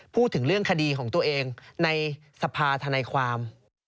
พูดถึงเรื่องคดีของตัวเองในสภาธนายความ